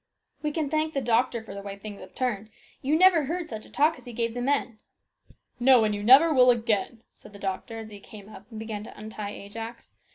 " We can thank the doctor for the way things have turned. You never heard such a talk as he gave the men." " No, and you never will again," said the doctor, as he came up and began to untie Ajax.